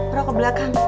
udah ke belakang